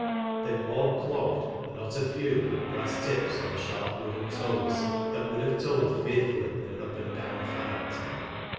They were all clogged, and not a few had brass tips on the sharp wooden toes that would have told fearfully in an up and down fight.